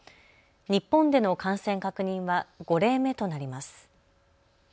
日本での感染確認は５例目となります。